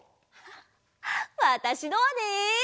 わたしのはね。